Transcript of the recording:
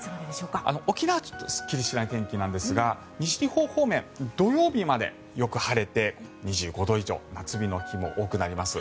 沖縄はすっきりしない天気なんですが西日本方面土曜日までよく晴れて２５度以上夏日の日も多くなります。